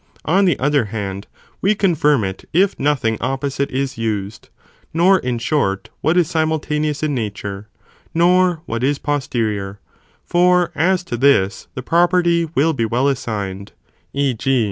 On the other hand, we confirm it if nothing opposite is used, nor, in short, what is simultaneous in nature, nor what is posterior, for as to this, the property will be well assigned ; e. g.